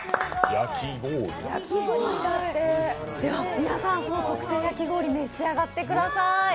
皆さん、その特製焼き氷、召し上がってください。